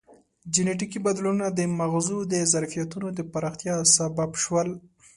جینټیکي بدلونونه د مغزو د ظرفیتونو د پراختیا سبب شول.